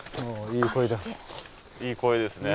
いい声ですね